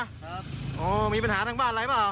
อ๋อมีปัญหาทางบ้านอะไรเปล่า